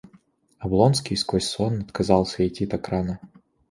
Облонский сквозь сон отказался итти так рано.